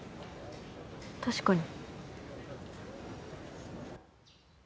確かに。